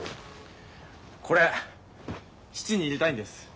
これ質に入れたいんです。